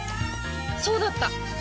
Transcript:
そうだった！